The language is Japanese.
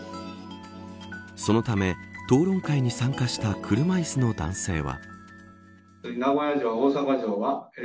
そのため、討論会に参加した車いすの男性は。